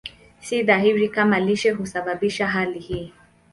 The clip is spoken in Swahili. Si dhahiri kama lishe husababisha hali hii.